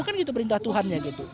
kan gitu perintah tuhannya gitu